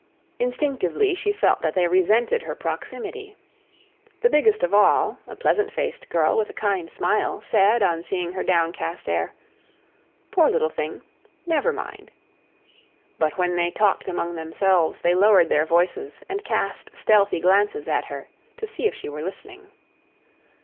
Instinctively she felt that they resented her proximity. The biggest of all, a pleasant faced girl with a kind smile, said on seeing her downcast air: "Poor little thing! Never mind." But when they talked among themselves they lowered their voices and cast stealthy glances at her, to see if she were listening.